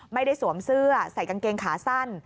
ไม่ได้สวมเสื้อใส่กางเกงขาสั้น